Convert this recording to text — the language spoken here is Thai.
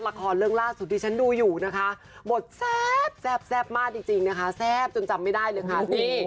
ละครเรื่องล่าสุดที่ฉันดูอยู่นะคะบทแซ่บมากจริงนะคะแซ่บจนจำไม่ได้เลยค่ะนี่